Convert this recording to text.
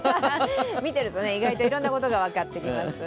見てると意外といろんなことが分かってきます。